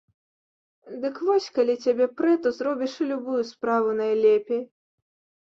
Дык вось, калі цябе прэ, то зробіш любую справу найлепей!